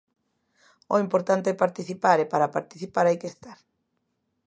O importante é participar e para participar hai que estar.